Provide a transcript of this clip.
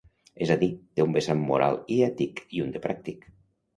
És a dir, té un vessant moral i ètic, i un de pràctic.